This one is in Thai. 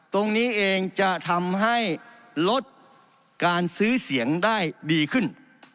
ตรงนี้เองจะทำให้ลดการซื้อเสียงได้ดีขึ้น